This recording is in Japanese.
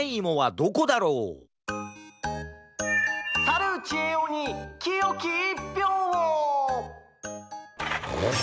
さるちえおにきよきいっぴょうを！